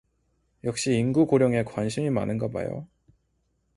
역시 인구 고령에 관심이 많은가 봐요.